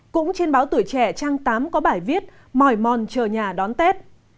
cũng trên báo tuổi trẻ trang tám có bài viết mỏi mòn chờ nhà đón tết